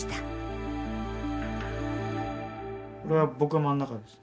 これは僕が真ん中です。